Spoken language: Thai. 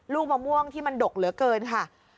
ลูกมะม่วงที่มันดกเหลือเกินค่ะ